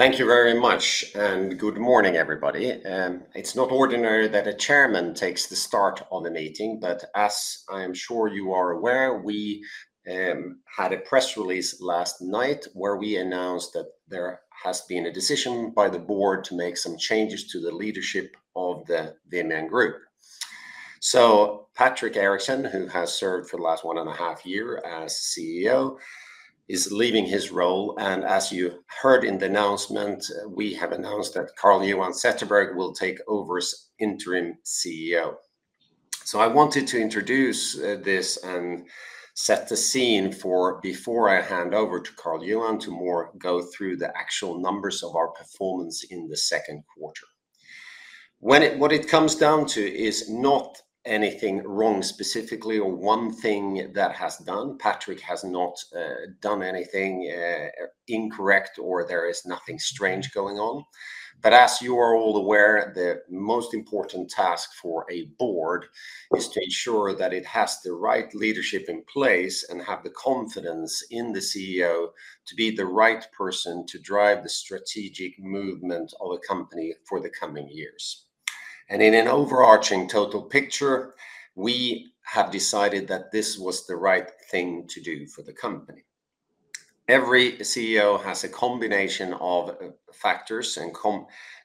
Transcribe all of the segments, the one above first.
Thank you very much, and good morning, everybody. It's not ordinary that a Chairman takes the start of a meeting, but as I am sure you are aware, we had a press release last night where we announced that there has been a decision by the Board to make some changes to the leadership of the Vimian Group. Patrik Eriksson, who has served for the last one and a half years as CEO, is leaving his role, and as you heard in the announcement, we have announced that Carl-Johan Zetterberg Boudrie will take over as interim CEO. I wanted to introduce this and set the scene before I hand over to Carl-Johan to go through the actual numbers of our performance in the second quarter. What it comes down to is not anything wrong specifically or one thing that has been done. Patrik has not done anything incorrect or there is nothing strange going on. As you are all aware, the most important task for a Board is to ensure that it has the right leadership in place and has the confidence in the CEO to be the right person to drive the strategic movement of a company for the coming years. In an overarching total picture, we have decided that this was the right thing to do for the company. Every CEO has a combination of factors and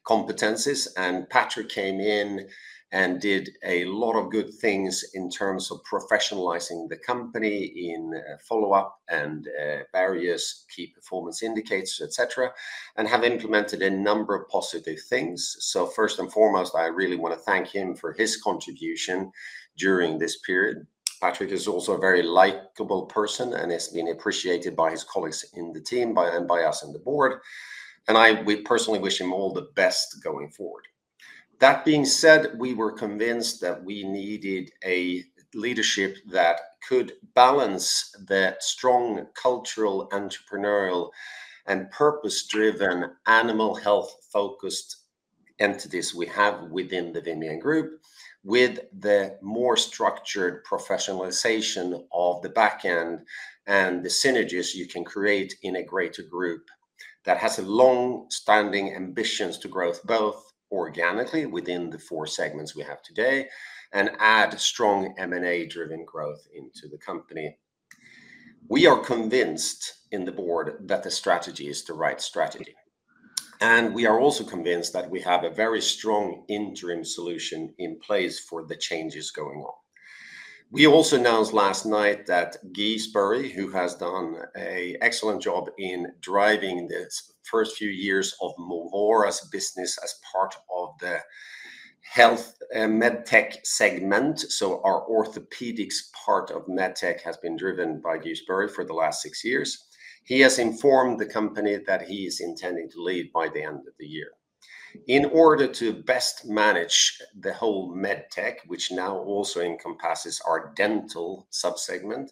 competencies, and Patrik came in and did a lot of good things in terms of professionalizing the company in follow-up and various key performance indicators, etc., and has implemented a number of positive things. First and foremost, I really want to thank him for his contribution during this period. Patrik is also a very likable person and has been appreciated by his colleagues in the team and by us in the Board, and I personally wish him all the best going forward. That being said, we were convinced that we needed a leadership that could balance the strong cultural, entrepreneurial, and purpose-driven animal health-focused entities we have within the Vimian Group with the more structured professionalization of the backend and the synergies you can create in a greater group that has longstanding ambitions to grow both organically within the four segments we have today and add strong M&A-driven growth into the company. We are convinced in the Board that the strategy is the right strategy, and we are also convinced that we have a very strong interim solution in place for the changes going on. We also announced last night that Guy Sporri, who has done an excellent job in driving the first few years of Movora's business as part of the MedTech segment, so our orthopedics part of MedTech has been driven by Guy Sporri for the last six years. He has informed the company that he is intending to leave by the end of the year. In order to best manage the whole MedTech, which now also encompasses our dental subsegment,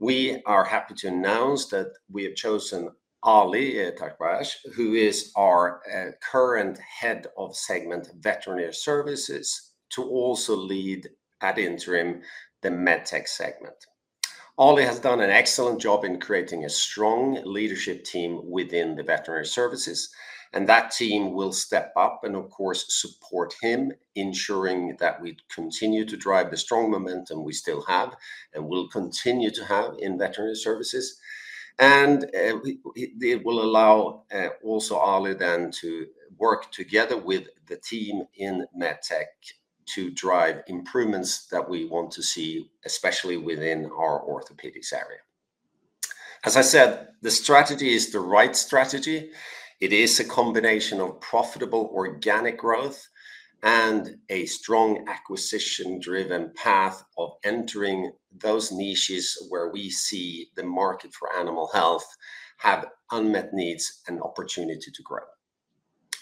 we are happy to announce that we have chosen Alireza Tajbakhsh, who is our current Head of Segment Veterinary Services, to also lead at interim the MedTech segment. Alireza has done an excellent job in creating a strong leadership team within the Veterinary Services, and that team will step up and, of course, support him, ensuring that we continue to drive the strong momentum we still have and will continue to have in Veterinary Services. It will allow also Alireza then to work together with the team in MedTech to drive improvements that we want to see, especially within our orthopedics area. As I said, the strategy is the right strategy. It is a combination of profitable organic growth and a strong acquisition-driven path of entering those niches where we see the market for animal health have unmet needs and opportunity to grow.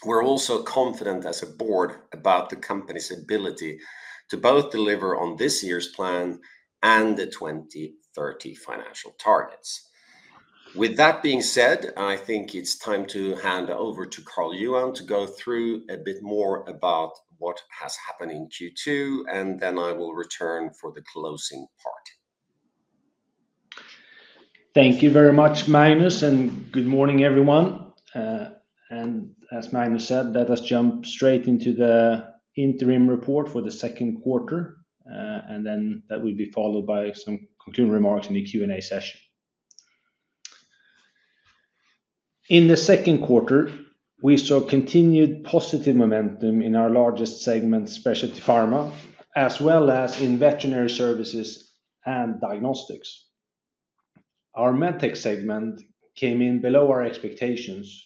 We're also confident as a board about the company's ability to both deliver on this year's plan and the 2030 financial targets. With that being said, I think it's time to hand over to Carl-Johan to go through a bit more about what has happened in Q2, and then I will return for the closing part. Thank you very much, Magnus, and good morning, everyone. As Magnus said, let us jump straight into the interim report for the second quarter, and then that will be followed by some continuing remarks in the Q&A session. In the second quarter, we saw continued positive momentum in our largest segment, Specialty Pharma, as well as in Veterinary Services and Diagnostics. Our MedTech segment came in below our expectations,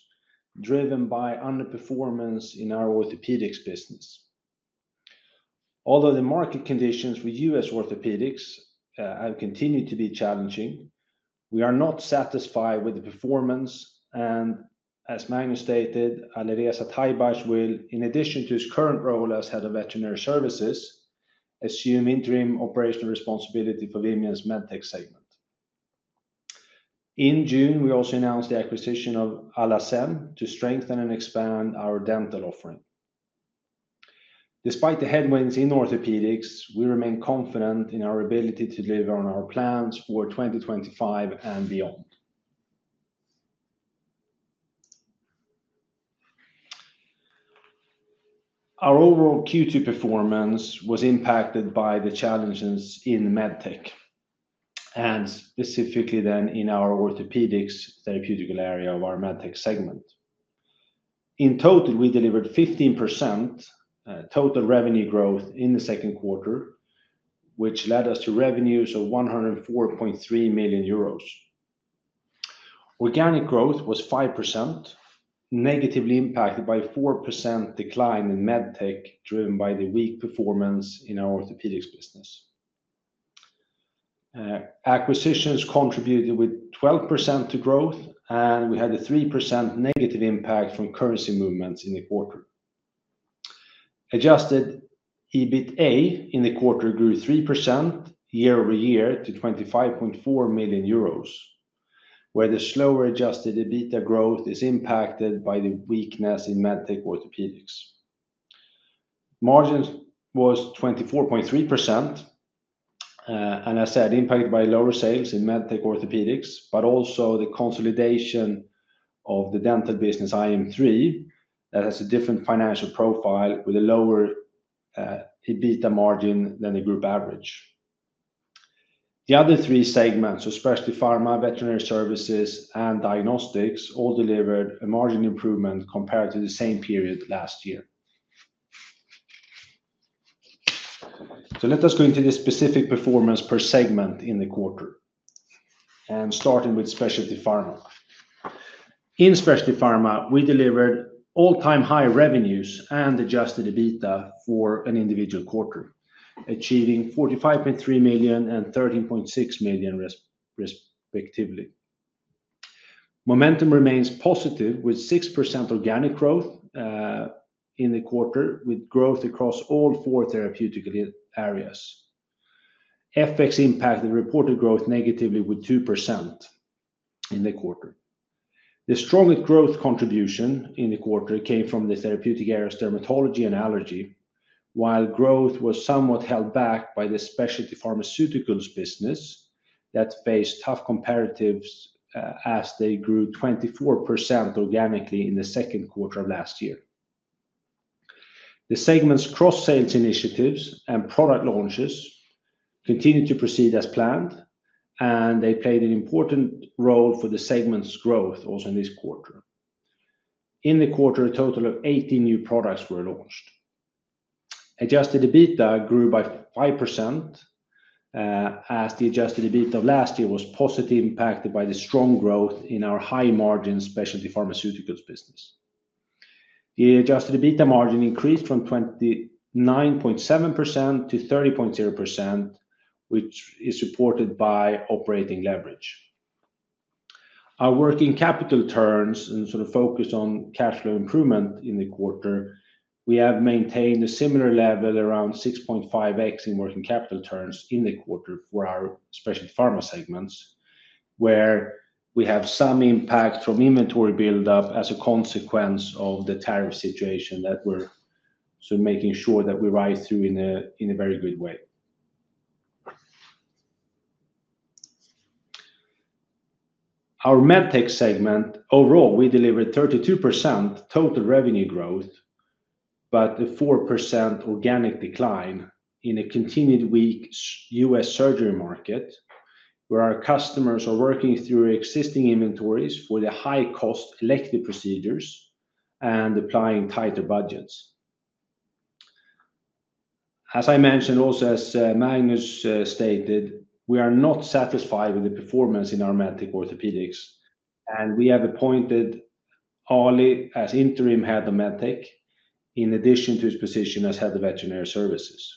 driven by underperformance in our orthopedics business. Although the market conditions with U.S. orthopedics have continued to be challenging, we are not satisfied with the performance, and as Magnus stated, Alireza Tajbakhsh will, in addition to his current role as Head of Veterinary Services, assume interim operational responsibility for Vimian's MedTech segment. In June, we also announced the acquisition of Alasem to strengthen and expand our dental offering. Despite the headwinds in orthopedics, we remain confident in our ability to deliver on our plans for 2025 and beyond. Our overall Q2 performance was impacted by the challenges in MedTech, and specifically in our orthopedics therapeutical area of our MedTech segment. In total, we delivered 15% total revenue growth in the second quarter, which led us to revenues of 104.3 million euros. Organic growth was 5%, negatively impacted by a 4% decline in MedTech driven by the weak performance in our orthopedics business. Acquisitions contributed with 12% to growth, and we had a 3% negative impact from currency movements in the quarter. Adjusted EBITDA in the quarter grew 3% year-over-year to 25.4 million euros, where the slower adjusted EBITDA growth is impacted by the weakness in MedTech orthopedics. Margins were 24.3%, and as I said, impacted by lower sales in MedTech orthopedics, but also the consolidation of the dental business, iM3, that has a different financial profile with a lower EBITDA margin than the group average. The other three segments, Specialty Pharma, Veterinary Services, and Diagnostics, all delivered a margin improvement compared to the same period last year. Let us go into the specific performance per segment in the quarter, starting with Specialty Pharma. In Specialty Pharma, we delivered all-time high revenues and adjusted EBITDA for an individual quarter, achieving 45.3 million and 13.6 million, respectively. Momentum remains positive with 6% organic growth in the quarter, with growth across all four therapeutic areas. FX impacted reported growth negatively with 2% in the quarter. The strongest growth contribution in the quarter came from the therapeutic areas of dermatology and allergy, while growth was somewhat held back by the Specialty Pharma business that faced tough comparatives as they grew 24% organically in the second quarter of last year. The segment's cross-sales initiatives and product launches continued to proceed as planned, and they played an important role for the segment's growth also in this quarter. In the quarter, a total of 18 new products were launched. Adjusted EBITDA grew by 5% as the adjusted EBITDA of last year was positively impacted by the strong growth in our high-margin Specialty Pharma business. The adjusted EBITDA margin increased from 29.7% to 30.0%, which is supported by operating leverage. Our working capital turns and sort of focus on cash flow improvement in the quarter, we have maintained a similar level around 6.5x in working capital turns in the quarter for our Specialty Pharma segments, where we have some impact from inventory buildup as a consequence of the tariff situation that we're sort of making sure that we rise through in a very good way. Our MedTech segment, overall, we delivered 32% total revenue growth, but a 4% organic decline in a continued weak U.S. surgery market, where our customers are working through existing inventories for the high-cost elective procedures and applying tighter budgets. As I mentioned, also as Magnus stated, we are not satisfied with the performance in our MedTech orthopedics, and we have appointed Alireza Tajbakhsh as interim Head of MedTech, in addition to his position as Head of Veterinary Services.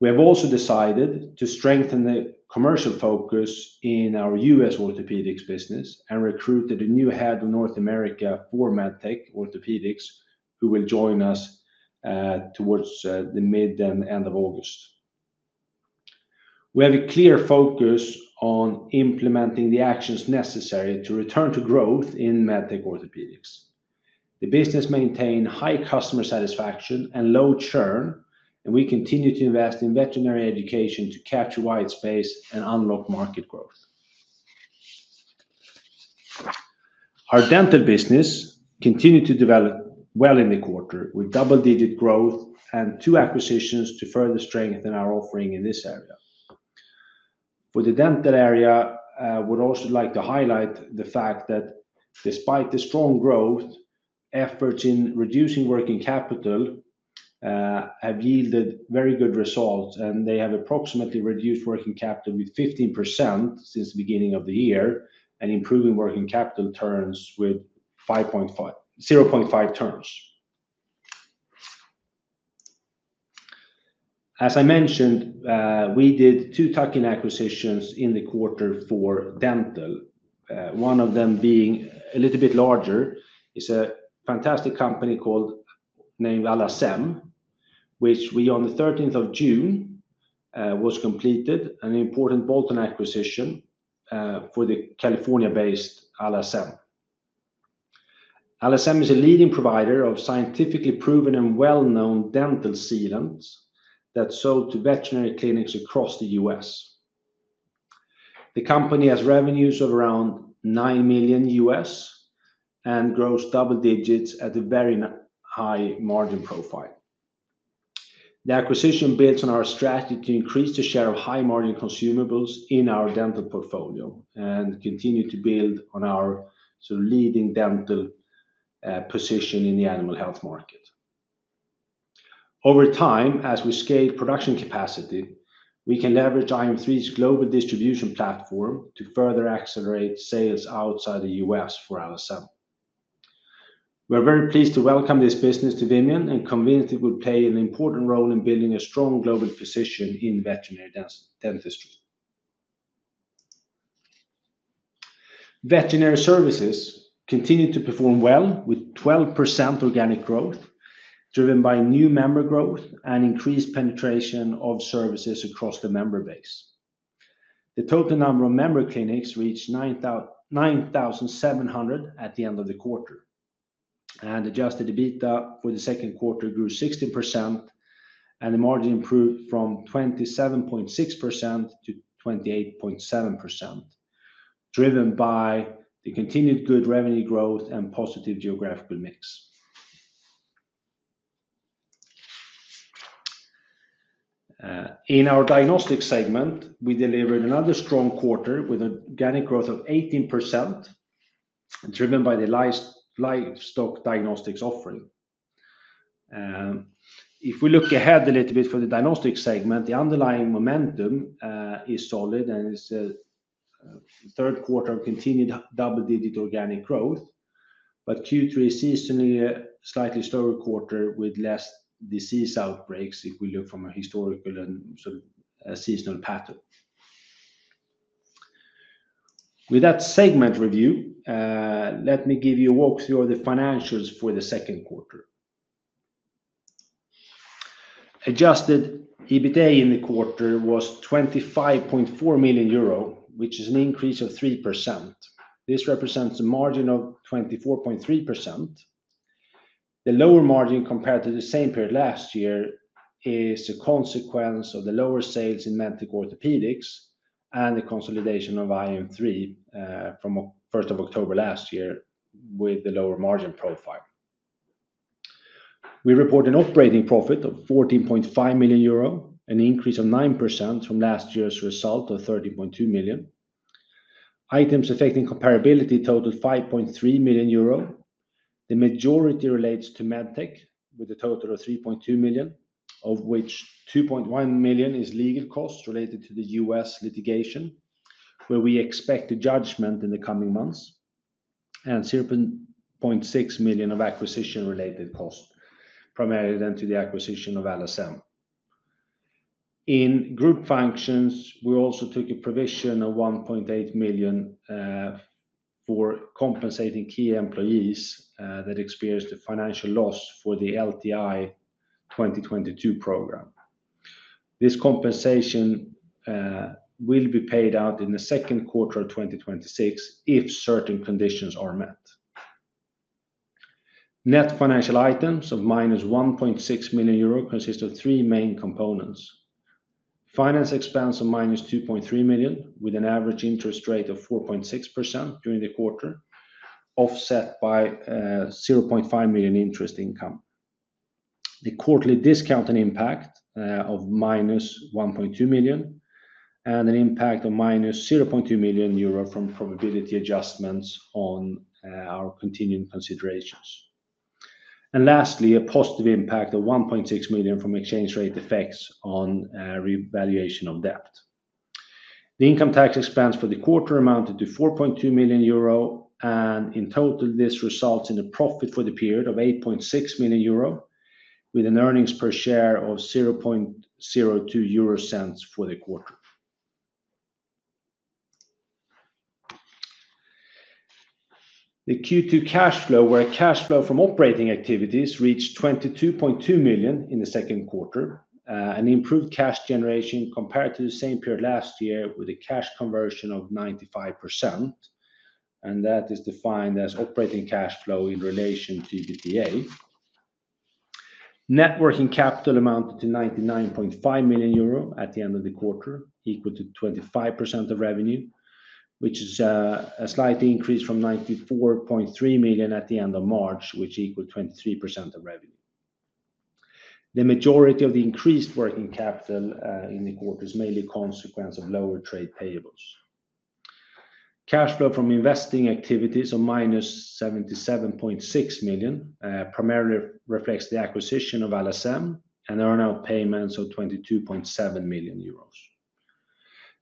We have also decided to strengthen the commercial focus in our U.S. orthopedics business and recruited a new Head of North America for MedTech orthopedics, who will join us towards the mid and end of August. We have a clear focus on implementing the actions necessary to return to growth in MedTech orthopedics. The business maintains high customer satisfaction and low churn, and we continue to invest in veterinary education to capture white space and unlock market growth. Our dental business continued to develop well in the quarter, with double-digit growth and two acquisitions to further strengthen our offering in this area. With the dental area, I would also like to highlight the fact that despite the strong growth, efforts in reducing working capital have yielded very good results, and they have approximately reduced working capital by 15% since the beginning of the year and improved working capital turns by 0.5 turns. As I mentioned, we did two tuck-in acquisitions in the quarter for dental, one of them being a little bit larger. It's a fantastic company called Alasem, which we, on the 13th of June, completed an important bolt-on acquisition for the California-based Alasem. Alasem is a leading provider of scientifically proven and well-known dental sealants that's sold to veterinary clinics across the U.S. The company has revenues of around $9 million and grows double digits at a very high margin profile. The acquisition builds on our strategy to increase the share of high-margin consumables in our dental portfolio and continue to build on our leading dental position in the animal health market. Over time, as we scale production capacity, we can leverage IM3's global distribution platform to further accelerate sales outside the U.S. for Alasem. We're very pleased to welcome this business to Vimian and convinced it will play an important role in building a strong global position in veterinary dentistry. Veterinary Services continued to perform well with 12% organic growth, driven by new member growth and increased penetration of services across the member base. The total number of member clinics reached 9,700 at the end of the quarter, and adjusted EBITDA for the second quarter grew 16%, and the margin improved from 27.6% to 28.7%, driven by the continued good revenue growth and positive geographical mix. In our Diagnostics segment, we delivered another strong quarter with organic growth of 18%, driven by the livestock diagnostics offering. If we look ahead a little bit for the Diagnostics segment, the underlying momentum is solid, and it's a third quarter of continued double-digit organic growth, but Q3 sees a slightly slower quarter with less disease outbreaks if we look from a historical and sort of seasonal pattern. With that segment review, let me give you a walkthrough of the financials for the second quarter. Adjusted EBITDA in the quarter was 25.4 million euro, which is an increase of 3%. This represents a margin of 24.3%. The lower margin compared to the same period last year is a consequence of the lower sales in MedTech orthopedics and the consolidation of iM3 from 1st of October last year with the lower margin profile. We report an operating profit of 14.5 million euro, an increase of 9% from last year's result of 30.2 million. Items affecting comparability totaled 5.3 million euro. The majority relates to MedTech, with a total of 3.2 million, of which 2.1 million is legal costs related to the U.S. litigation, where we expect a judgment in the coming months, and 0.6 million of acquisition-related costs, primarily then to the acquisition of Alasem. In group functions, we also took a provision of 1.8 million for compensating key employees that experienced a financial loss for the LTI 2022 program. This compensation will be paid out in the second quarter of 2026 if certain conditions are met. Net financial items of -1.6 million euro consist of three main components: finance expense of -2.3 million, with an average interest rate of 4.6% during the quarter, offset by 0.5 million interest income, the quarterly discount and impact of -1.2 million, and an impact of -0.2 million euro from probability adjustments on our continued considerations, and lastly, a positive impact of 1.6 million from exchange rate effects on revaluation of debt. The income tax expense for the quarter amounted to 4.2 million euro, and in total, this results in a profit for the period of 8.6 million euro, with an earnings per share of 0.02 for the quarter. The Q2 cash flow were cash flow from operating activities reached 22.2 million in the second quarter, an improved cash generation compared to the same period last year with a cash conversion of 95%, and that is defined as operating cash flow in relation to EBITDA. Net working capital amounted to 99.5 million euro at the end of the quarter, equal to 25% of revenue, which is a slight increase from 94.3 million at the end of March, which equaled 23% of revenue. The majority of the increased working capital in the quarter is mainly a consequence of lower trade payables. Cash flow from investing activities of minus 77.6 million primarily reflects the acquisition of Alasem and earn-out payments of 22.7 million euros.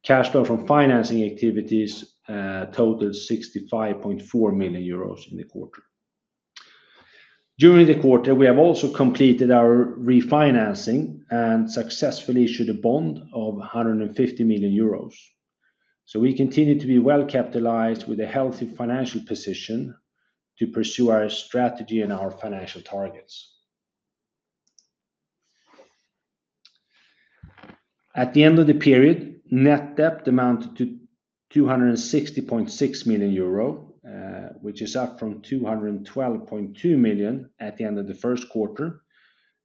Cash flow from financing activities totaled 65.4 million euros in the quarter. During the quarter, we have also completed our refinancing and successfully issued a bond of 150 million euros, so we continue to be well-capitalized with a healthy financial position to pursue our strategy and our financial targets. At the end of the period, net debt amounted to 260.6 million euro, which is up from 212.2 million at the end of the first quarter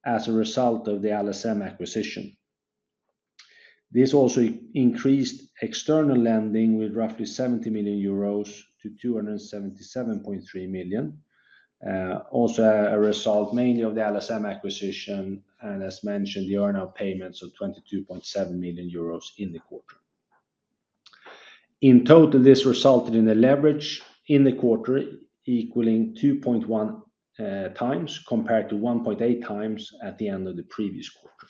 as a result of the Alasem acquisition. This also increased external lending with roughly 70 million euros to 277.3 million, also a result mainly of the Alasem acquisition and, as mentioned, the earn-out payments of 22.7 million euros in the quarter. In total, this resulted in a leverage in the quarter equaling 2.1 times compared to 1.8 times at the end of the previous quarter.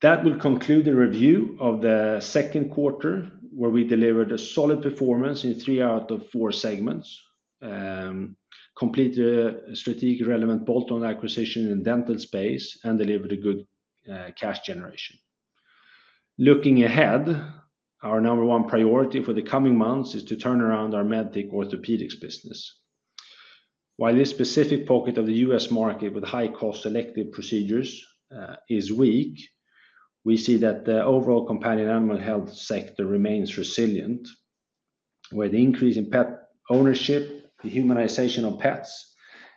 That will conclude the review of the second quarter, where we delivered a solid performance in three out of four segments, completed a strategically relevant Bolton acquisition in the dental space, and delivered a good cash generation. Looking ahead, our number one priority for the coming months is to turn around our MedTech orthopedics business. While this specific pocket of the U.S. market with high-cost selective procedures is weak, we see that the overall companion animal health sector remains resilient, where the increase in pet ownership, the humanization of pets,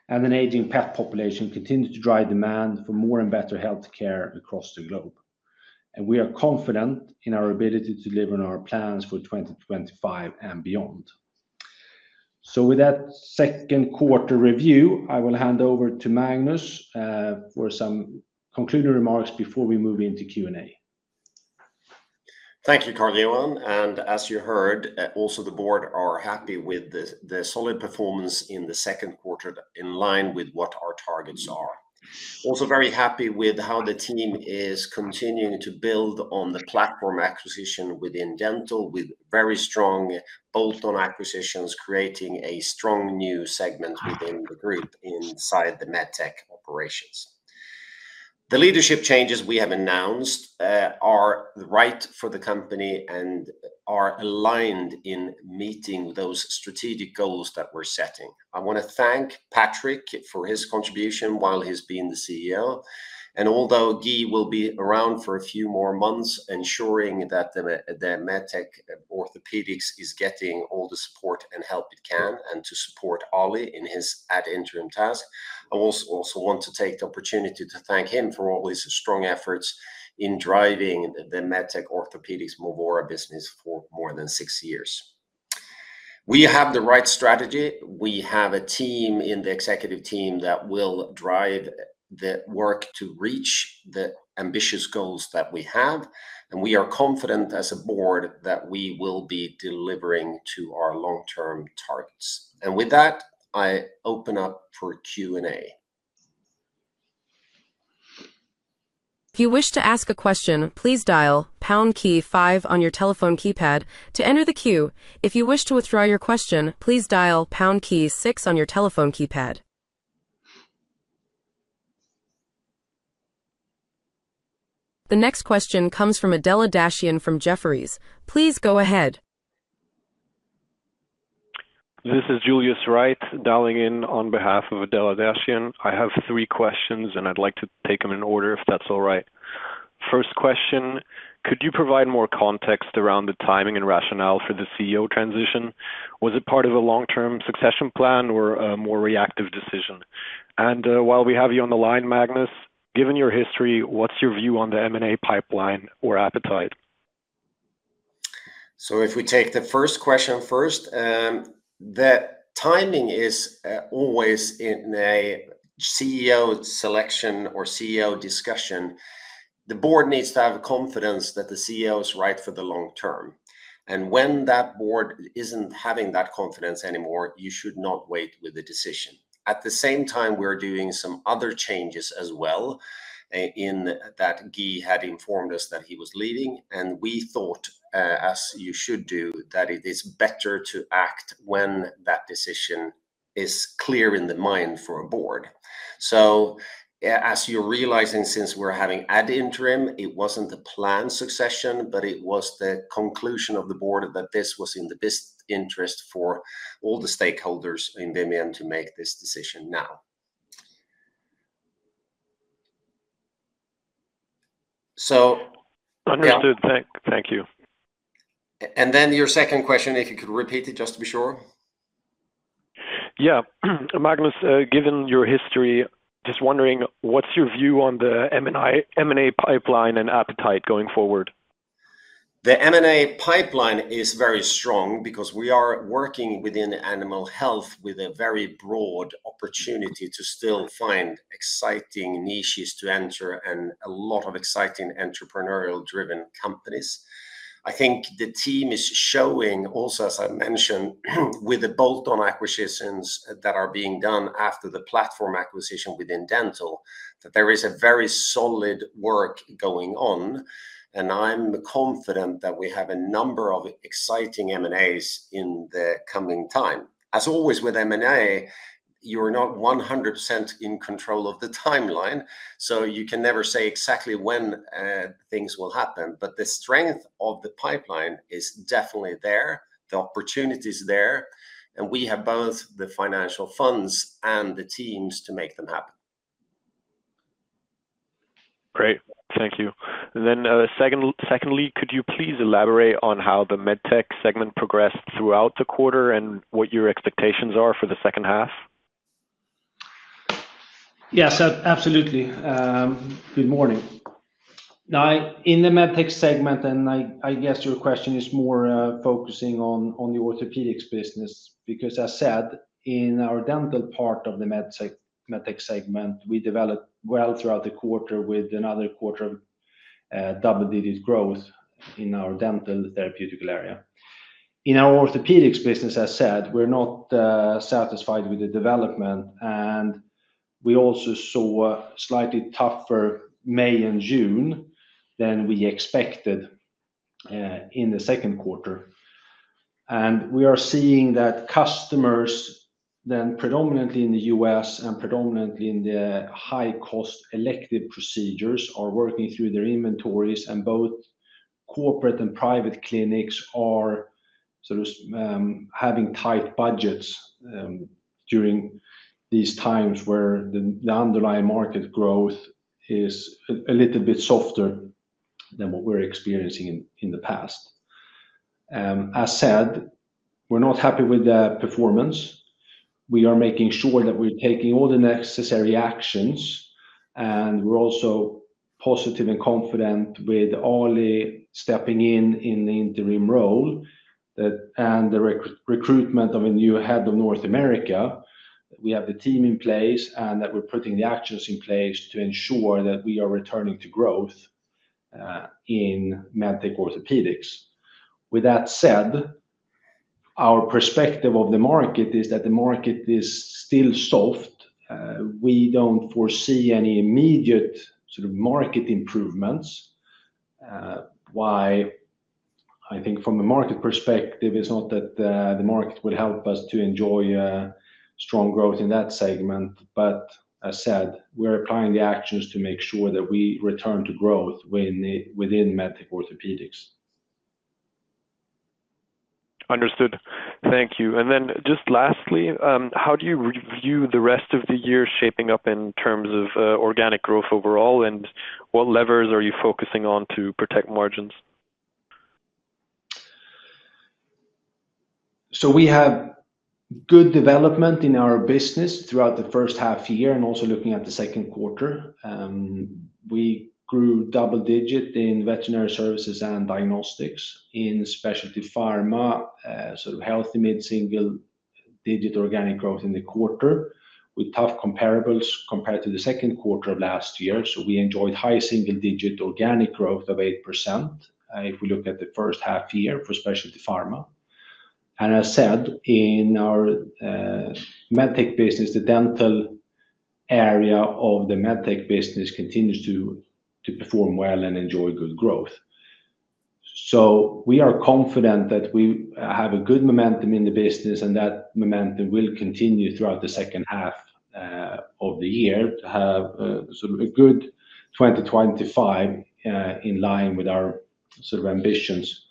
and an aging pet population continue to drive demand for more and better healthcare across the globe. We are confident in our ability to deliver on our plans for 2025 and beyond. With that second quarter review, I will hand over to Magnus for some concluding remarks before we move into Q&A. Thank you, Carl-Johan, and as you heard, also the Board is happy with the solid performance in the second quarter in line with what our targets are. Also very happy with how the team is continuing to build on the platform acquisition within dental, with very strong bolt-on acquisitions creating a strong new segment within the Group inside the MedTech operations. The leadership changes we have announced are right for the company and are aligned in meeting those strategic goals that we're setting. I want to thank Patrik for his contribution while he's been the CEO, and although Guy will be around for a few more months, ensuring that the MedTech orthopedics is getting all the support and help it can, and to support Alireza in his ad interim task, I also want to take the opportunity to thank him for all his strong efforts in driving the MedTech orthopedics Movora business for more than six years. We have the right strategy. We have a team in the Executive Team that will drive the work to reach the ambitious goals that we have, and we are confident as a Board that we will be delivering to our long-term targets. With that, I open up for Q&A. If you wish to ask a question, please dial pound key five on your telephone keypad to enter the queue. If you wish to withdraw your question, please dial pound key six on your telephone keypad. The next question comes from Adela Dashian from Jefferies. Please go ahead. This is Julius Wright, dialing in on behalf of Adela Dashian. I have three questions, and I'd like to take them in order if that's all right. First question, could you provide more context around the timing and rationale for the CEO transition? Was it part of a long-term succession plan or a more reactive decision? While we have you on the line, Magnus, given your history, what's your view on the M&A pipeline or appetite? If we take the first question first, the timing is always in a CEO selection or CEO discussion. The Board needs to have confidence that the CEO is right for the long term, and when that Board isn't having that confidence anymore, you should not wait with the decision. At the same time, we're doing some other changes as well in that Guy had informed us that he was leaving, and we thought, as you should do, that it is better to act when that decision is clear in the mind for a Board. As you're realizing, since we're having ad interim, it wasn't a planned succession, but it was the conclusion of the Board that this was in the best interest for all the stakeholders in Vimian to make this decision now. Understood. Thank you. Could you repeat your second question just to be sure. Magnus, given your history, just wondering, what's your view on the M&A pipeline and appetite going forward? The M&A pipeline is very strong because we are working within animal health with a very broad opportunity to still find exciting niches to enter and a lot of exciting entrepreneurial-driven companies. I think the team is showing also, as I mentioned, with the bolt-on acquisitions that are being done after the platform acquisition within dental, that there is a very solid work going on, and I'm confident that we have a number of exciting M&As in the coming time. As always with M&A, you're not 100% in control of the timeline, so you can never say exactly when things will happen, but the strength of the pipeline is definitely there, the opportunity is there, and we have both the financial funds and the teams to make them happen. Great. Thank you. Secondly, could you please elaborate on how the MedTech segment progressed throughout the quarter, and what your expectations are for the second half? Yes, absolutely. Good morning. Now, in the MedTech segment, and I guess your question is more focusing on the orthopedics business because, as I said, in our dental part of the MedTech segment, we developed well throughout the quarter with another quarter of double-digit growth in our dental therapeutical area. In our orthopedics business, as I said, we're not satisfied with the development, and we also saw slightly tougher May and June than we expected in the second quarter. We are seeing that customers then predominantly in the U.S. and predominantly in the high-cost elective procedures are working through their inventories, and both corporate and private clinics are sort of having tight budgets during these times where the underlying market growth is a little bit softer than what we're experiencing in the past. As I said, we're not happy with the performance. We are making sure that we're taking all the necessary actions, and we're also positive and confident with Alireza Tajbakhsh stepping in in the interim role and the recruitment of a new head of North America. We have the team in place and that we're putting the actions in place to ensure that we are returning to growth in MedTech orthopedics. With that said, our perspective of the market is that the market is still soft. We don't foresee any immediate sort of market improvements. I think from a market perspective, it's not that the market would help us to enjoy strong growth in that segment, but as I said, we're applying the actions to make sure that we return to growth within MedTech orthopedics. Understood. Thank you. Lastly, how do you view the rest of the year shaping up in terms of organic growth overall, and what levers are you focusing on to protect margins? We had good development in our business throughout the first half year and also looking at the second quarter. We grew double-digit in Veterinary Services and Diagnostics. In Specialty Pharma, sort of healthy mid-single-digit organic growth in the quarter with tough comparables compared to the second quarter of last year. We enjoyed high single-digit organic growth of 8% if we look at the first half year for Specialty Pharma. As I said, in our MedTech business, the dental area of the MedTech business continues to perform well and enjoy good growth. We are confident that we have good momentum in the business and that momentum will continue throughout the second half of the year to have sort of a good 2025 in line with our sort of ambitions.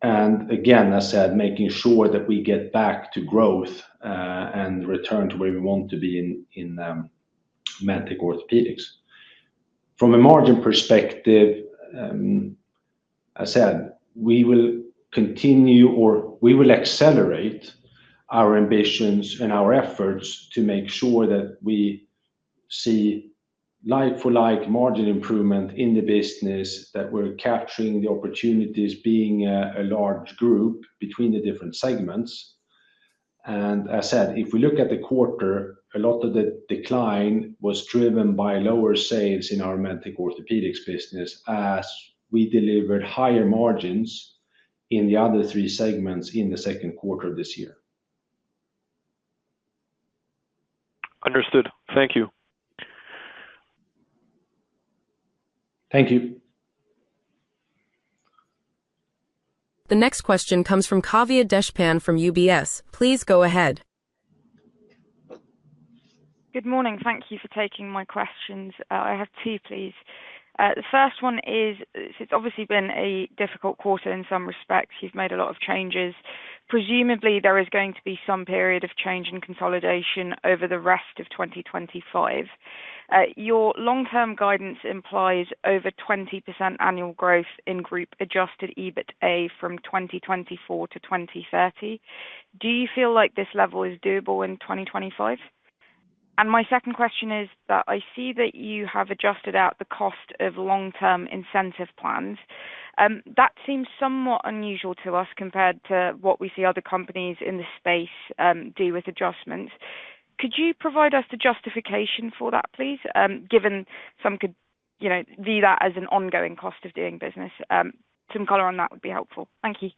Again, as I said, making sure that we get back to growth and return to where we want to be in MedTech orthopedics. From a margin perspective, as I said, we will continue or we will accelerate our ambitions and our efforts to make sure that we see like-for-like margin improvement in the business, that we're capturing the opportunities being a large group between the different segments. As I said, if we look at the quarter, a lot of the decline was driven by lower sales in our MedTech orthopedics business as we delivered higher margins in the other three segments in the second quarter of this year. Understood. Thank you. Thank you. The next question comes from Kavya Deshpan from UBS. Please go ahead. Good morning. Thank you for taking my questions. I have two, please. The first one is it's obviously been a difficult quarter in some respects. You've made a lot of changes. Presumably, there is going to be some period of change in consolidation over the rest of 2025. Your long-term guidance implies over 20% annual growth in group adjusted EBITDA from 2024 to 2030. Do you feel like this level is doable in 2025? My second question is that I see that you have adjusted out the cost of long-term incentive plans. That seems somewhat unusual to us compared to what we see other companies in the space do with adjustments. Could you provide us the justification for that, please, given some could view that as an ongoing cost of doing business? Some color on that would be helpful. Thank you.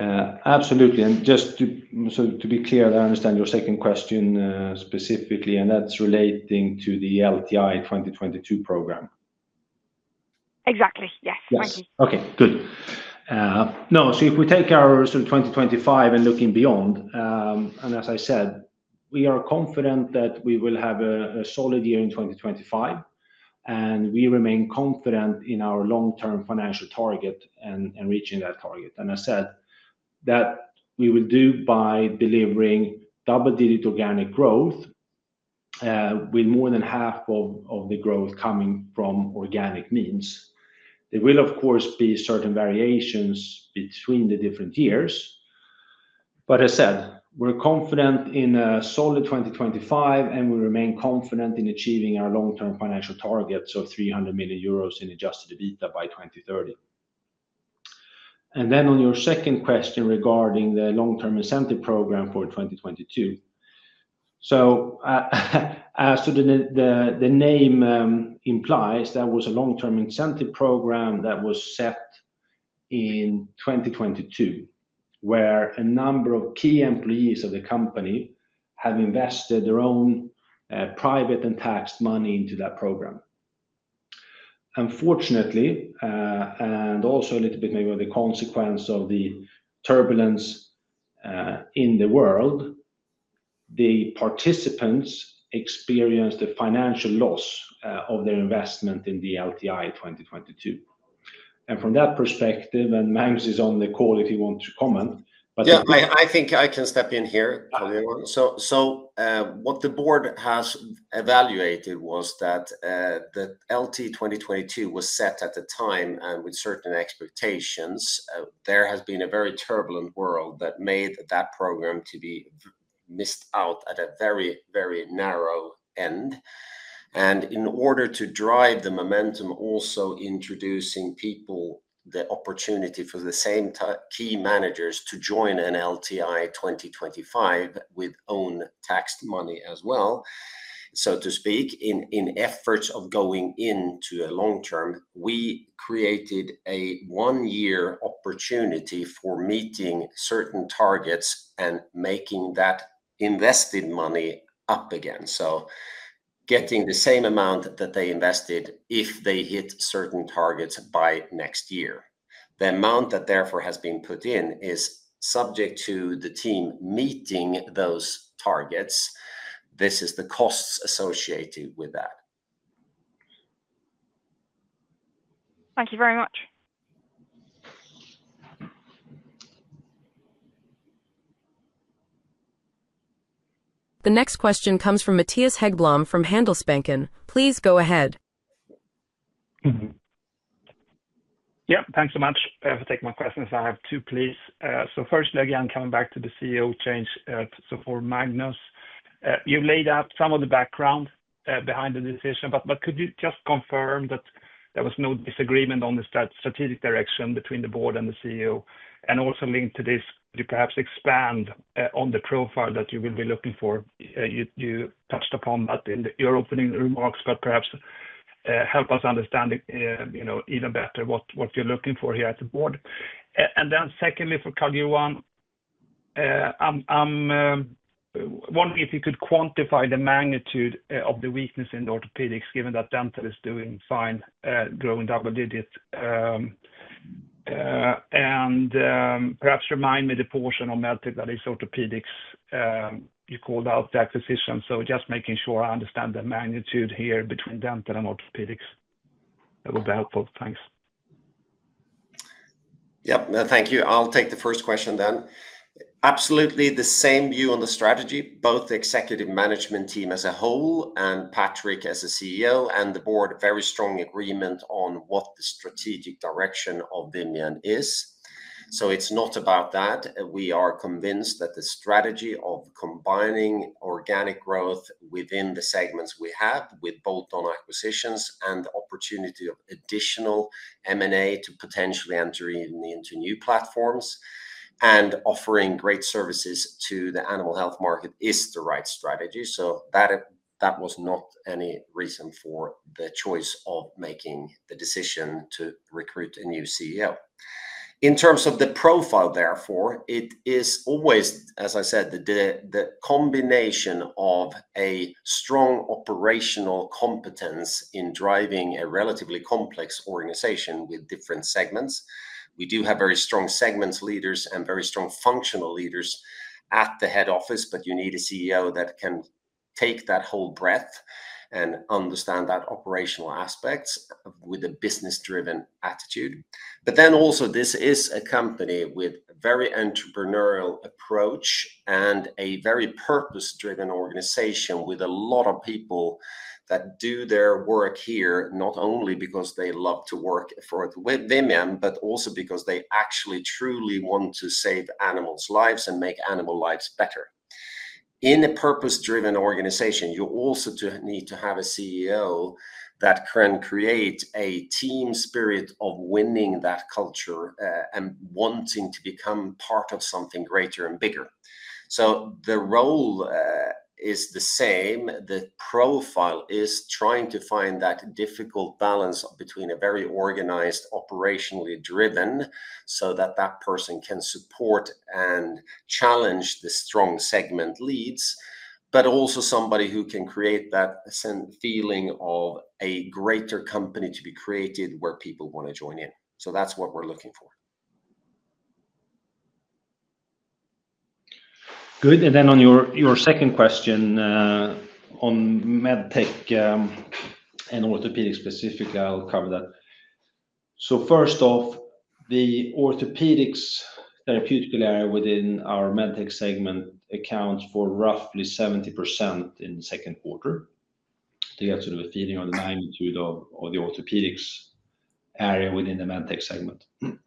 Absolutely. Just to be clear, I understand your second question specifically, and that's relating to the LTI 2022 program. Exactly. Yes, thank you. Okay. If we take our 2025 and looking beyond, as I said, we are confident that we will have a solid year in 2025, and we remain confident in our long-term financial target and reaching that target. I said that we will do by delivering double-digit organic growth with more than half of the growth coming from organic means. There will, of course, be certain variations between the different years, but as I said, we're confident in a solid 2025, and we remain confident in achieving our long-term financial targets of 300 million euros in adjusted EBITDA by 2030. On your second question regarding the long-term incentive program for 2022, as the name implies, that was a long-term incentive program that was set in 2022, where a number of key employees of the company have invested their own private and taxed money into that program. Unfortunately, and also a little bit maybe of the consequence of the turbulence in the world, the participants experienced a financial loss of their investment in the LTI 2022. From that perspective, and Magnus is on the call if you want to comment, but. Yeah. I think I can step in here, Carl-Johan. What the board has evaluated was that the LTI 2022 was set at the time and with certain expectations. There has been a very turbulent world that made that program to be missed out at a very, very narrow end. In order to drive the momentum, also introducing people the opportunity for the same key managers to join an LTI 2025 with own taxed money as well, so to speak, in efforts of going into a long term, we created a one-year opportunity for meeting certain targets and making that invested money up again. Getting the same amount that they invested if they hit certain targets by next year. The amount that therefore has been put in is subject to the team meeting those targets. This is the costs associated with that. Thank you very much. The next question comes from Matthias Häggblom from Handelsbanken. Please go ahead. Yeah. Thanks so much. If I have to take my questions, I have two, please. Firstly, again, coming back to the CEO change, for Magnus, you laid out some of the background behind the decision, but could you just confirm that there was no disagreement on the strategic direction between the Board and the CEO? Also, linked to this, could you perhaps expand on the profile that you will be looking for? You touched upon that in your opening remarks, but perhaps help us understand even better what you're looking for here at the Board. Secondly, for Carl-Johan, I'm wondering if you could quantify the magnitude of the weakness in the orthopedics, given that dental is doing fine, growing double digits, and perhaps remind me the portion of MedTech that is orthopedics. You called out the acquisition. Just making sure I understand the magnitude here between dental and orthopedics. That would be helpful. Thanks. Thank you. I'll take the first question then. Absolutely the same view on the strategy, both the Executive Management Team as a whole and Patrik as CEO and the Board, very strong agreement on what the strategic direction of Vimian is. It's not about that. We are convinced that the strategy of combining organic growth within the segments we have with bolt-on acquisitions and the opportunity of additional M&A to potentially enter into new platforms and offering great services to the animal health market is the right strategy. That was not any reason for the choice of making the decision to recruit a new CEO. In terms of the profile, therefore, it is always, as I said, the combination of a strong operational competence in driving a relatively complex organization with different segments. We do have very strong segment leaders and very strong functional leaders at the head office, but you need a CEO that can take that whole breadth and understand that operational aspect with a business-driven attitude. This is a company with a very entrepreneurial approach and a very purpose-driven organization with a lot of people that do their work here, not only because they love to work for Vimian, but also because they actually truly want to save animals' lives and make animal lives better. In a purpose-driven organization, you also need to have a CEO that can create a team spirit of winning that culture and wanting to become part of something greater and bigger. The role is the same. The profile is trying to find that difficult balance between a very organized, operationally driven so that that person can support and challenge the strong segment leads, but also somebody who can create that feeling of a greater company to be created where people want to join in. That's what we're looking for. Good. On your second question on MedTech and orthopedics specifically, I'll cover that. First off, the orthopedics therapeutical area within our MedTech segment accounts for roughly 70% in the second quarter to get sort of a feeling on the magnitude of the orthopedics area within the MedTech segment. As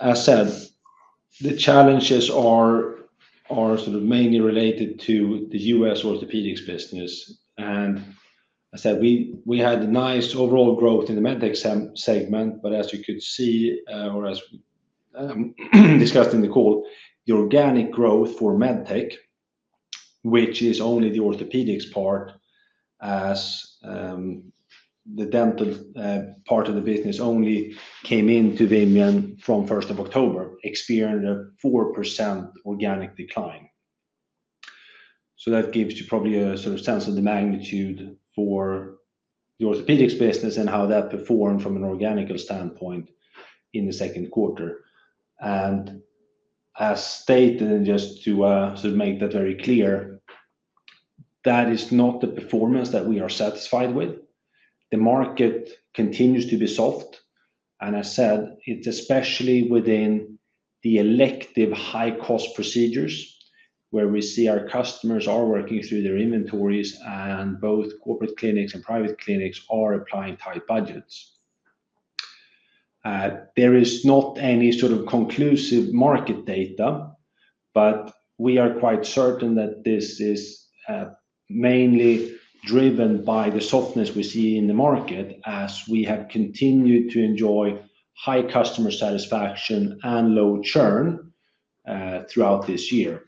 I said, the challenges are mainly related to the U.S. orthopedics business. We had a nice overall growth in the MedTech segment, but as we could see or as discussed in the call, the organic growth for MedTech, which is only the orthopedics part as the dental part of the business only came into Vimian from October 1, experienced a 4% organic decline. That gives you probably a sense of the magnitude for the orthopedics business and how that performed from an organic standpoint in the second quarter. As stated, just to make that very clear, that is not the performance that we are satisfied with. The market continues to be soft, and it's especially within the elective high-cost procedures where we see our customers are working through their inventories, and both corporate clinics and private clinics are applying tight budgets. There is not any conclusive market data, but we are quite certain that this is mainly driven by the softness we see in the market as we have continued to enjoy high customer satisfaction and low churn throughout this year.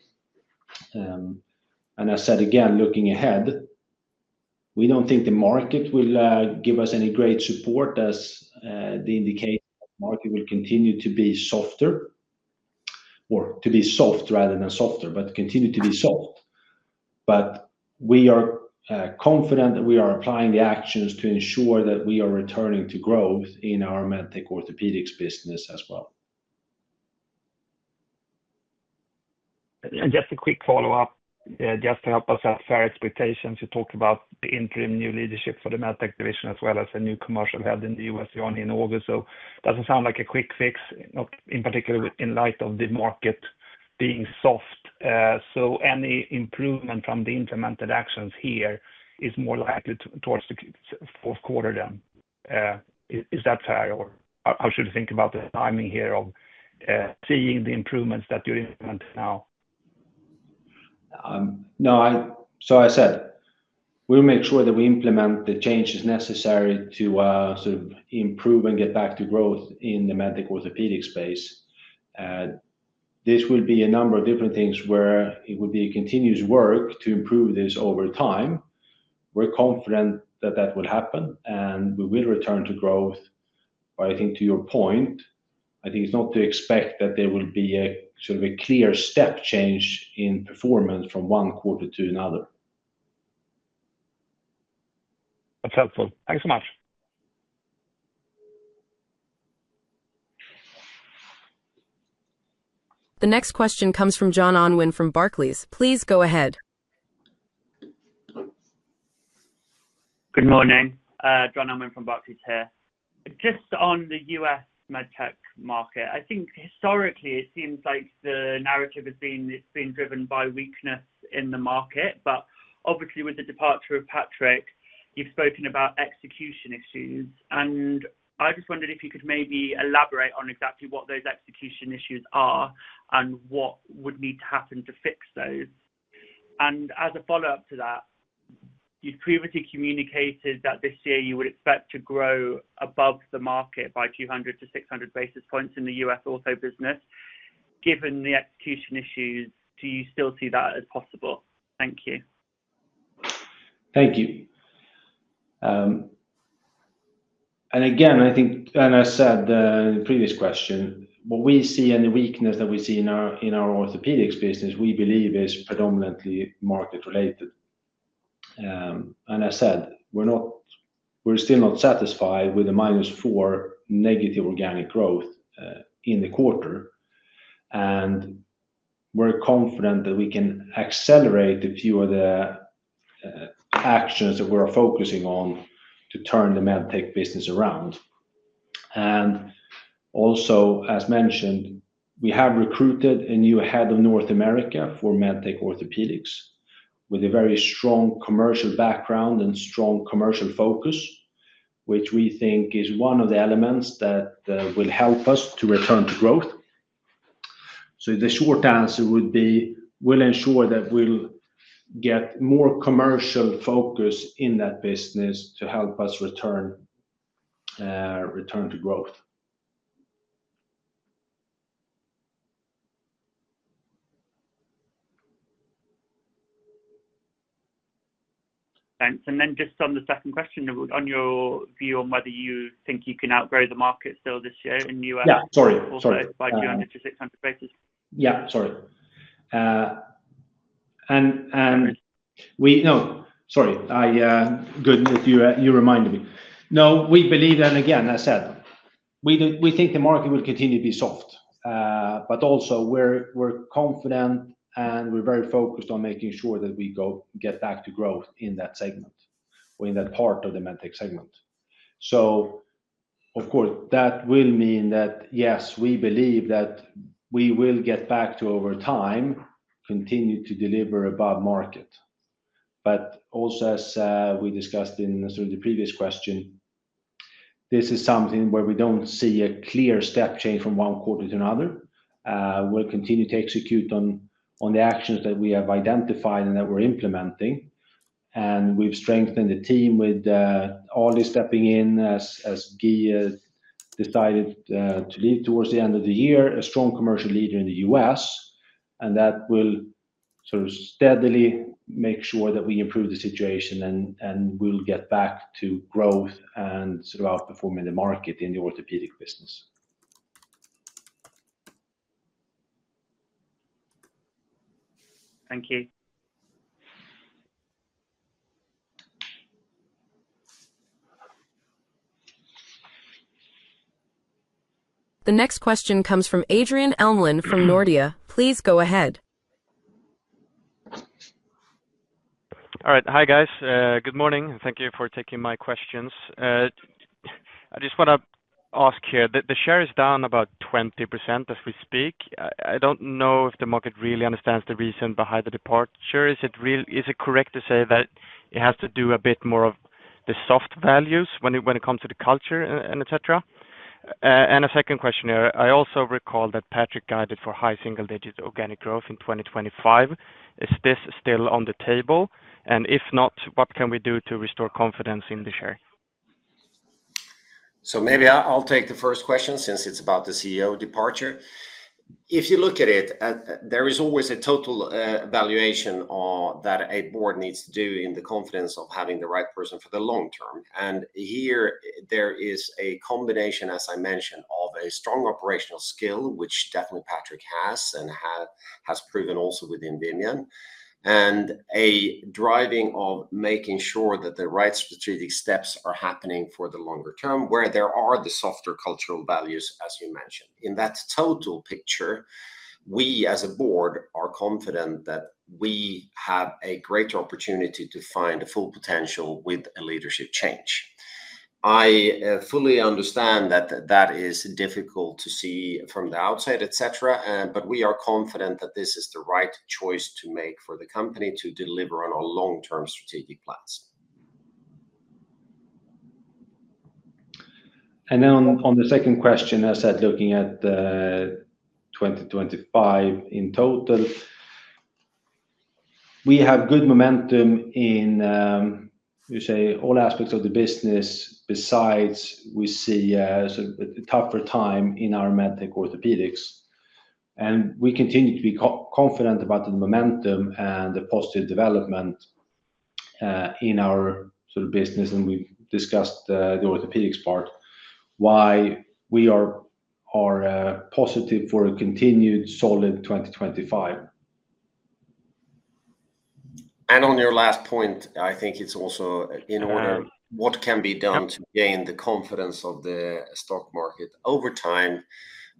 Looking ahead, we don't think the market will give us any great support as they indicate the market will continue to be soft rather than softer, but continue to be soft. We are confident that we are applying the actions to ensure that we are returning to growth in our MedTech orthopedics business as well. Just a quick follow-up, just to help us set fair expectations, you talked about the interim new leadership for the MedTech division as well as a new commercial head in the U.S., John, in August. It doesn't sound like a quick fix, in particular in light of the market being soft. Any improvement from the implemented actions here is more likely towards the fourth quarter then. Is that fair, or how should we think about the timing here of seeing the improvements that you're implementing now? I said we'll make sure that we implement the changes necessary to sort of improve and get back to growth in the MedTech orthopedics space. This will be a number of different things where it will be continuous work to improve this over time. We're confident that that will happen, and we will return to growth. I think to your point, I think it's not to expect that there will be a sort of a clear step change in performance from one quarter to another. That's helpful. Thanks so much. The next question comes from John Unwin from Barclays. Please go ahead. Good morning. John Unwin from Barclays here. Just on the U.S. MedTech market, I think historically it seems like the narrative has been it's been driven by weakness in the market, but obviously with the departure of Patrik, you've spoken about execution issues. I just wondered if you could maybe elaborate on exactly what those execution issues are and what would need to happen to fix those. As a follow-up to that, you'd previously communicated that this year you would expect to grow above the market by 200-600 basis points in the U.S. auto business. Given the execution issues, do you still see that as possible? Thank you. Thank you. As I said in the previous question, what we see and the weakness that we see in our orthopedics business, we believe is predominantly market-related. As I said, we're still not satisfied with the -4% negative organic growth in the quarter, and we're confident that we can accelerate a few of the actions that we're focusing on to turn the MedTech business around. Also, as mentioned, we have recruited a new head of North America for MedTech orthopedics with a very strong commercial background and strong commercial focus, which we think is one of the elements that will help us to return to growth. The short answer would be we'll ensure that we'll get more commercial focus in that business to help us return to growth. Thanks. On the second question, on your view on whether you think you can outgrow the market still this year in the U.S. Yeah. Sorry. By 200-600 basis points? We believe, and again, as I said, we think the market will continue to be soft, but also we're confident and we're very focused on making sure that we get back to growth in that segment or in that part of the MedTech segment. Of course, that will mean that, yes, we believe that we will get back to, over time, continue to deliver above market. Also, as we discussed in sort of the previous question, this is something where we don't see a clear step change from one quarter to another. We'll continue to execute on the actions that we have identified and that we're implementing, and we've strengthened the team with Alireza Tajbakhsh stepping in as Guy Sporri has decided to leave towards the end of the year, a strong commercial leader in the U.S., and that will sort of steadily make sure that we improve the situation and we'll get back to growth and sort of outperforming the market in the orthopedics business. Thank you. The next question comes from Adrian Elmlin from Nordea. Please go ahead. All right. Hi, guys. Good morning. Thank you for taking my questions. I just want to ask here, the share is down about 20% as we speak. I don't know if the market really understands the reason behind the departure. Is it correct to say that it has to do a bit more of the soft values when it comes to the culture and et cetera? A second question here, I also recall that Patrik guided for high single-digit organic growth in 2025. Is this still on the table? If not, what can we do to restore confidence in the share? I'll take the first question since it's about the CEO departure. If you look at it, there is always a total evaluation that a board needs to do in the confidence of having the right person for the long term. There is a combination, as I mentioned, of a strong operational skill, which definitely Patrik has and has proven also within Vimian, and a driving of making sure that the right strategic steps are happening for the longer term where there are the softer cultural values, as you mentioned. In that total picture, we as a board are confident that we have a greater opportunity to find the full potential with a leadership change. I fully understand that that is difficult to see from the outside, etc., but we are confident that this is the right choice to make for the company to deliver on our long-term strategic plans. On the second question, as I said, looking at 2025 in total, we have good momentum in, you say, all aspects of the business besides we see a tougher time in our MedTech orthopedics, and we continue to be confident about the momentum and the positive development in our sort of business. We discussed the orthopedics part, why we are positive for a continued solid 2025. On your last point, I think it's also in order what can be done to gain the confidence of the stock market over time.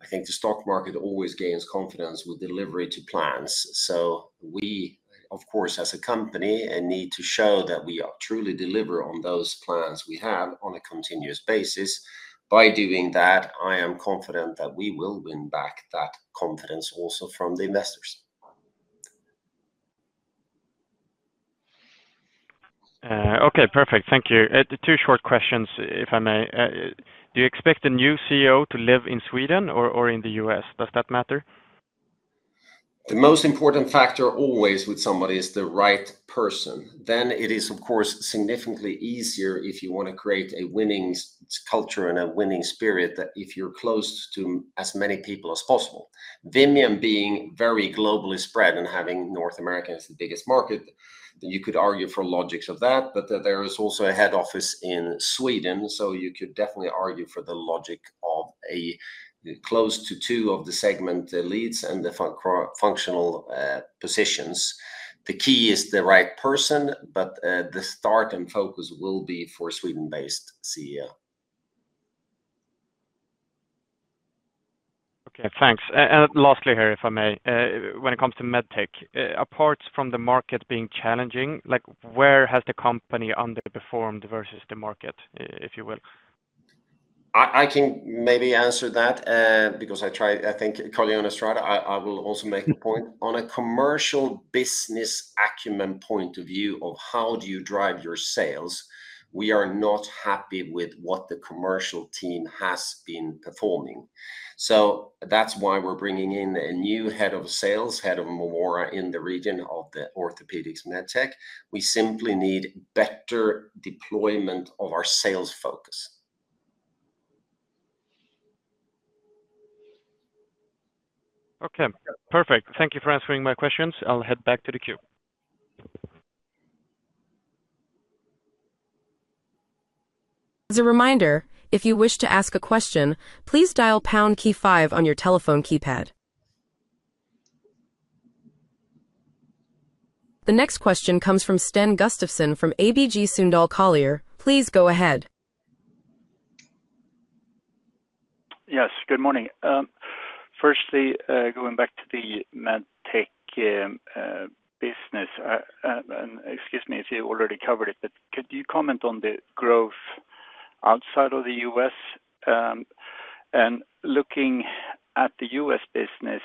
I think the stock market always gains confidence with delivery to plans. We, of course, as a company, need to show that we truly deliver on those plans we have on a continuous basis. By doing that, I am confident that we will win back that confidence also from the investors. Okay. Perfect. Thank you. Two short questions, if I may. Do you expect a new CEO to live in Sweden or in the U.S.? Does that matter? The most important factor always with somebody is the right person. Then it is, of course, significantly easier if you want to create a winning culture and a winning spirit if you're close to as many people as possible. Vimian, being very globally spread and having North America as the biggest market, you could argue for logics of that, but there is also a head office in Sweden, so you could definitely argue for the logic of close to two of the segment leads and the functional positions. The key is the right person, but the start and focus will be for a Sweden-based CEO. Okay. Thanks. Lastly here, if I may, when it comes to MedTech, apart from the market being challenging, where has the company underperformed versus the market, if you will? I can maybe answer that because I think Carl-Johan has tried. I will also make a point on a commercial business acumen point of view of how do you drive your sales. We are not happy with what the commercial team has been performing. That is why we're bringing in a new Head of Sales, Head of Movora in the region of the orthopedics MedTech. We simply need better deployment of our sales focus. Okay. Perfect. Thank you for answering my questions. I'll head back to the queue. As a reminder, if you wish to ask a question, please dial the pound key five on your telephone keypad. The next question comes from Sten Gustafsson from ABG Sundal Collier. Please go ahead. Yes. Good morning. Firstly, going back to the MedTech business, and excuse me if you already covered it, could you comment on the growth outside of the U.S.? Looking at the U.S. business,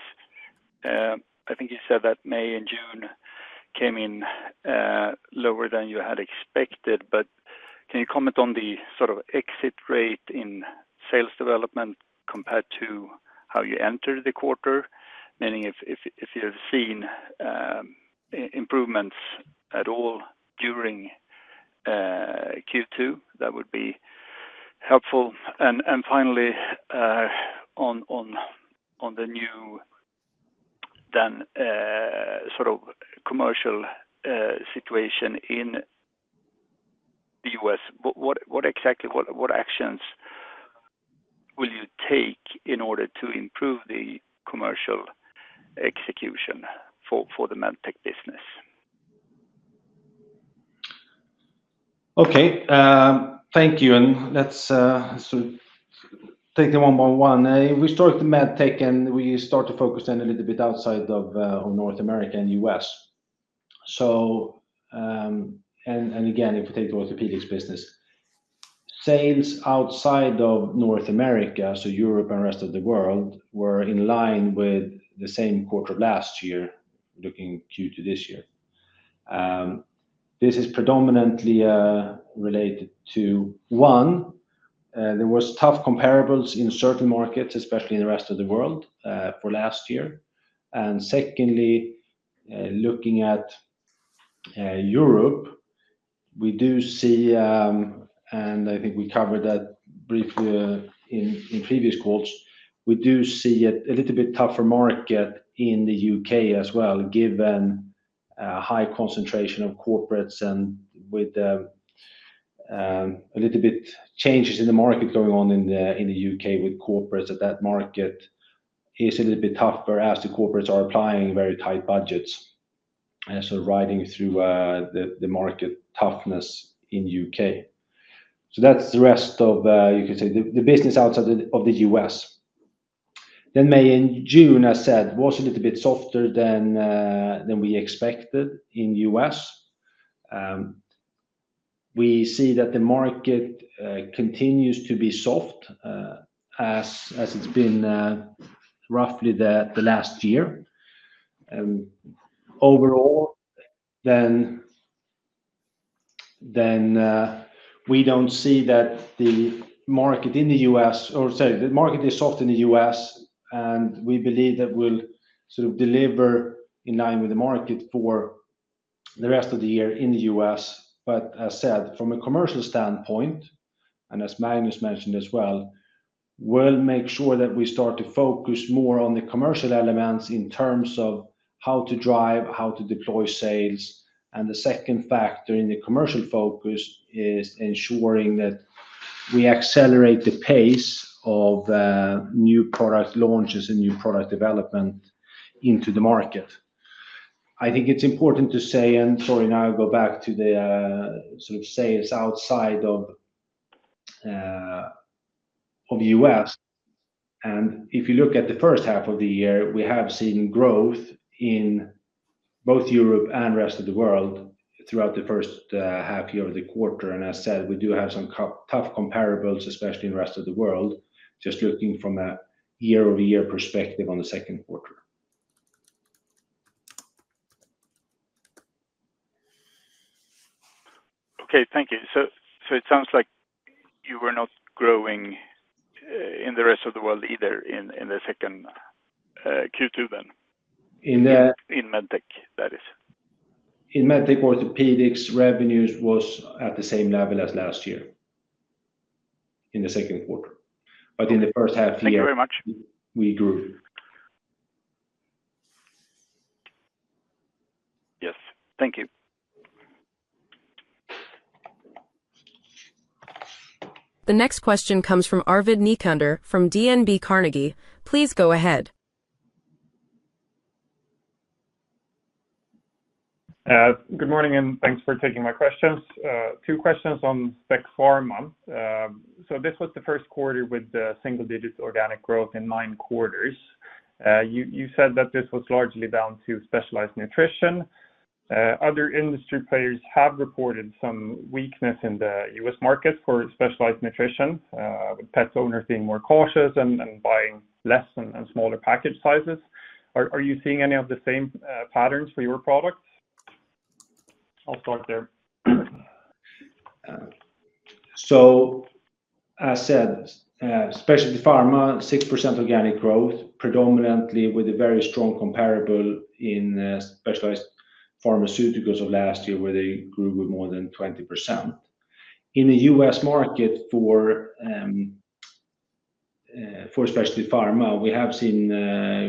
I think you said that May and June came in lower than you had expected, but could you comment on the sort of exit rate in sales development compared to how you entered the quarter? Meaning if you have seen improvements at all during Q2, that would be helpful. Finally, on the new commercial situation in the U.S., what exactly will you take in order to improve the commercial execution for the MedTech business? Okay. Thank you. Let's take them one by one. We started with MedTech, and we started to focus in a little bit outside of North America and the U.S. If we take the orthopedics business, sales outside of North America, so Europe and the rest of the world, were in line with the same quarter of last year, looking at Q2 this year. This is predominantly related to, one, there were tough comparables in certain markets, especially in the rest of the world for last year. Secondly, looking at Europe, we do see, and I think we covered that briefly in previous calls, we do see a little bit tougher market in the U.K. as well, given a high concentration of corporates and with a little bit of changes in the market going on in the U.K. with corporates at that market. It's a little bit tougher as the corporates are applying very tight budgets and sort of riding through the market toughness in the U.K.. That's the rest of, you can say, the business outside of the U.S. May and June, as I said, were a little bit softer than we expected in the U.S. We see that the market continues to be soft as it's been roughly the last year. Overall, we don't see that the market in the U.S., or sorry, the market is soft in the U.S., and we believe that we'll sort of deliver in line with the market for the rest of the year in the U.S. As I said, from a commercial standpoint, and as Magnus mentioned as well, we'll make sure that we start to focus more on the commercial elements in terms of how to drive, how to deploy sales. The second factor in the commercial focus is ensuring that we accelerate the pace of new product launches and new product development into the market. I think it's important to say, and sorry, now I'll go back to the sort of sales outside of the U.S. If you look at the first half of the year, we have seen growth in both Europe and the rest of the world throughout the first half year of the quarter. As I said, we do have some tough comparables, especially in the rest of the world, just looking from a year-over-year perspective on the second quarter. Thank you. It sounds like you were not growing in the rest of the world either in the second quarter then. In the. In MedTech, that is. In MedTech, orthopedics revenues were at the same level as last year in the second quarter, but in the first half year. Thank you very much. We grew. Yes, thank you. The next question comes from Arvid Necander from DNB Carnegie. Please go ahead. Good morning, and thanks for taking my questions. Two questions on Spec Pharma. This was the first quarter with single-digit organic growth in nine quarters. You said that this was largely down to specialized nutrition. Other industry players have reported some weakness in the U.S. markets for specialized nutrition, with pet owners being more cautious and buying less and smaller package sizes. Are you seeing any of the same patterns for your products? I'll start there. As I said, Specialty Pharma, 6% organic growth, predominantly with a very strong comparable in specialized pharmaceuticals of last year where they grew with more than 20%. In the U.S. market for Specialty Pharma, we have seen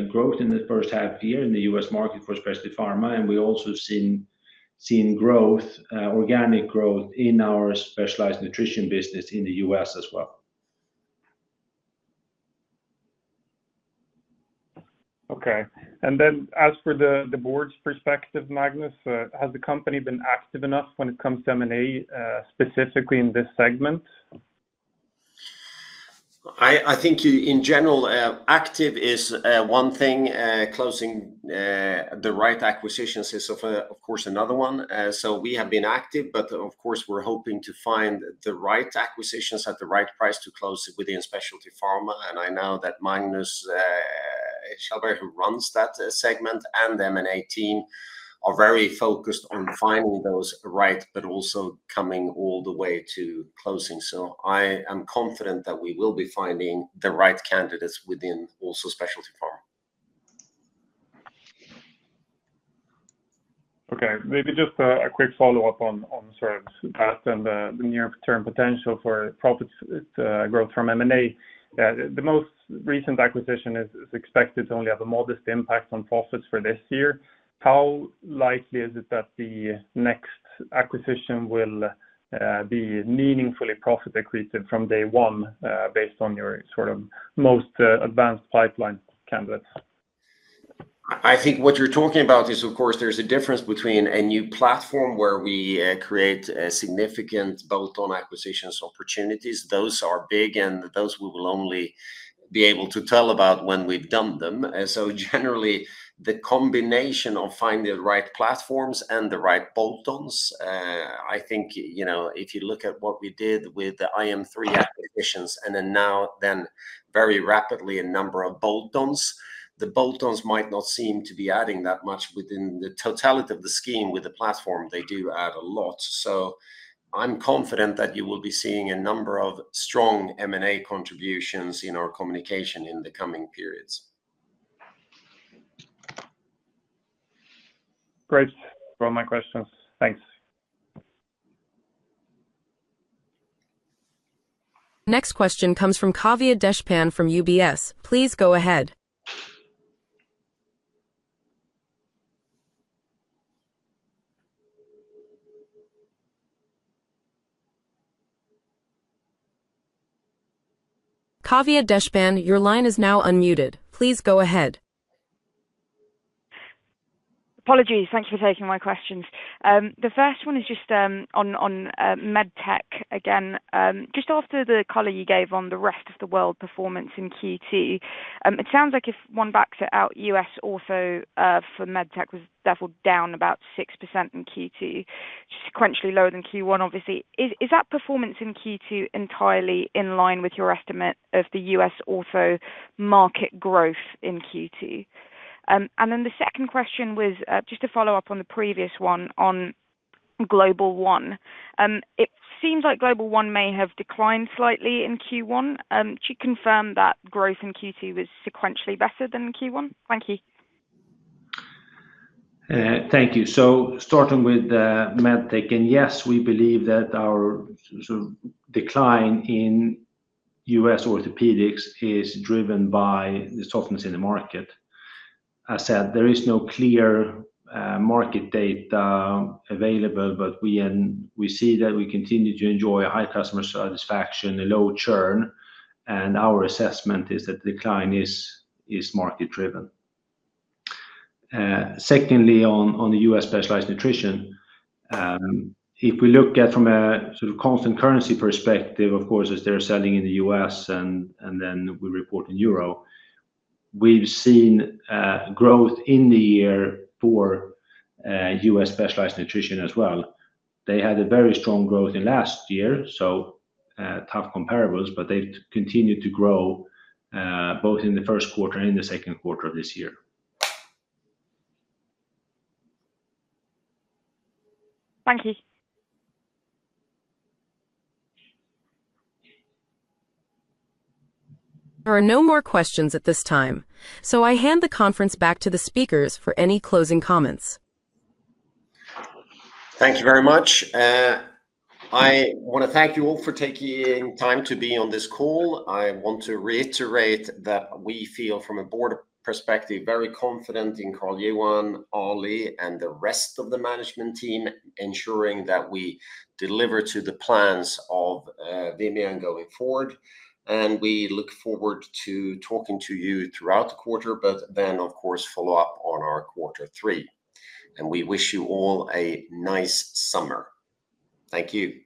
growth in the first half year in the U.S. market for Specialty Pharma, and we also have seen growth, organic growth in our specialized nutrition business in the U.S. as well. Okay. As for the Board's perspective, Magnus, has the company been active enough when it comes to M&A specifically in this segment? I think in general, active is one thing. Closing the right acquisitions is, of course, another one. We have been active, but of course, we're hoping to find the right acquisitions at the right price to close within Specialty Pharma. I know that Magnus Kjellberg, who runs that segment and the M&A team, are very focused on finding those right, but also coming all the way to closing. I am confident that we will be finding the right candidates within also Specialty Pharma. Okay. Maybe just a quick follow-up on sort of the past and the near-term potential for profits growth from M&A. The most recent acquisition is expected to only have a modest impact on profits for this year. How likely is it that the next acquisition will be meaningfully profit equated from day one based on your sort of most advanced pipeline candidates? I think what you're talking about is, of course, there's a difference between a new platform where we create significant bolt-on acquisitions opportunities. Those are big, and those we will only be able to tell about when we've done them. Generally, the combination of finding the right platforms and the right bolt-ons, I think, you know, if you look at what we did with the IM3 acquisitions and then now then very rapidly a number of bolt-ons, the bolt-ons might not seem to be adding that much within the totality of the scheme with the platform. They do add a lot. I'm confident that you will be seeing a number of strong M&A contributions in our communication in the coming periods. Great. All my questions. Thanks. Next question comes from Kavya Deshpan from UBS. Please go ahead. Kavya Deshpan, your line is now unmuted. Please go ahead. Apologies. Thank you for taking my questions. The first one is just on MedTech again. Just after the color you gave on the rest of the world performance in Q2, it sounds like if one backs it out, U.S. ortho for MedTech was therefore down about 6% in Q2, sequentially lower than Q1, obviously. Is that performance in Q2 entirely in line with your estimate of the U.S. ortho market growth in Q2? The second question was just a follow-up on the previous one on Global One. It seems like Global One may have declined slightly in Q1. Could you confirm that growth in Q2 was sequentially better than Q1? Thank you. Thank you. Starting with MedTech again, yes, we believe that our decline in U.S. orthopedics is driven by the softness in the market. As I said, there is no clear market data available, but we see that we continue to enjoy high customer satisfaction and low churn, and our assessment is that the decline is market-driven. Secondly, on the U.S. specialized nutrition, if we look at it from a sort of constant currency perspective, of course, as they're selling in the U.S. and then we report in euro, we've seen growth in the year for U.S. specialized nutrition as well. They had very strong growth in last year, so tough comparables, but they've continued to grow both in the first quarter and the second quarter of this year. Thank you. There are no more questions at this time. I hand the conference back to the speakers for any closing comments. Thank you very much. I want to thank you all for taking time to be on this call. I want to reiterate that we feel, from a Board perspective, very confident in Carl-Johan, Alireza, and the rest of the management team ensuring that we deliver to the plans of Vimian going forward. We look forward to talking to you throughout the quarter, and of course, follow up on our quarter three. We wish you all a nice summer. Thank you.